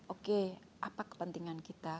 oke apa kepentingan kita